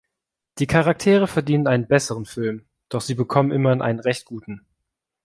Die Charaktere verdienen einen besseren Film, doch sie bekommen immerhin einen recht guten.